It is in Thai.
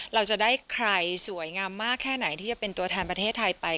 เราจะได้ใครสวยงามมากแค่ไหนที่จะเป็นตัวแทนประเทศไทยไป